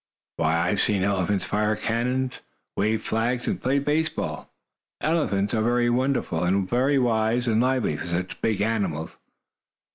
Why, I have seen elephants fire cannon, wave flags, and play baseball. Elephants are very wonderful, and very wise and lively, for such big animals.